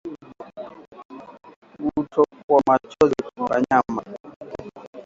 Kutokwa machozi kwa wanyama